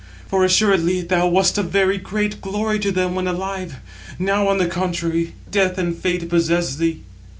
For assuredly thou wast a very great glory to them when alive now, on the contrary, death and fate possess thee."